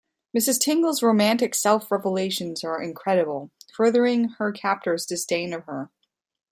Mrs. Tingle's romantic self-revelations are incredible, furthering her captors' disdain of her.